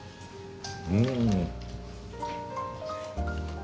うん。